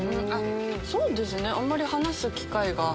そうですねあんまり話す機会が。